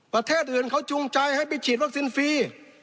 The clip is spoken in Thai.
ประเทศอื่นเขาจูงใจให้ไปฉีดวัคซีนฟรี